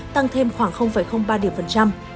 tăng thêm khoảng ba điểm phần trăm